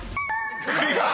［クリア！］